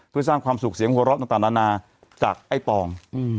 เพื่อสร้างความสุขเสียงหัวเราะต่างนานาจากไอ้ปอง